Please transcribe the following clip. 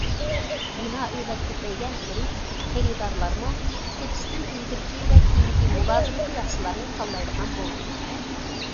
بىنا ئۆيلەر كۆپەيگەنسېرى خېرىدارلارمۇ سېتىشتىن ئىلگىرىكى ۋە كېيىنكى مۇلازىمىتى ياخشىلارنى تاللايدىغان بولدى.